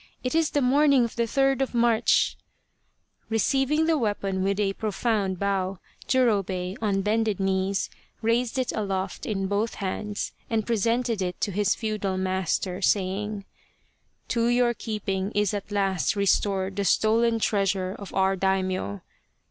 It is the morning of the third of March !" Receiving the weapon with a profound bow, Jurobei, on bended knees, raised it aloft in both hands and presented it to his feudal master, saying :" To your keeping is at last restored the stolen treasure of our Daimio